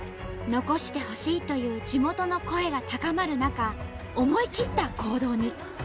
「残してほしい」という地元の声が高まる中思い切った行動に。